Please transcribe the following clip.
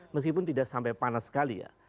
meskipun tidak sampai panas sekali ya